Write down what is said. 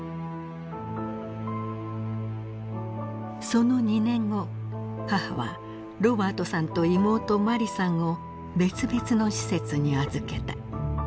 その２年後母はロバァトさんと妹マリさんを別々の施設に預けた。